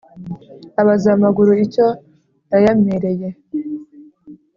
abaza amaguru icyo yayamereye